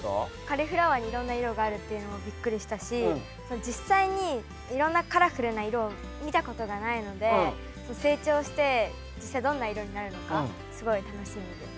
カリフラワーにいろんな色があるっていうのもびっくりしたし実際にいろんなカラフルな色を見たことがないので成長して実際どんな色になるのかすごい楽しみです。